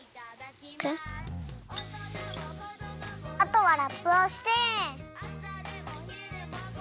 あとはラップをして。